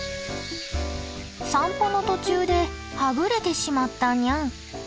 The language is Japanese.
散歩の途中ではぐれてしまったニャン。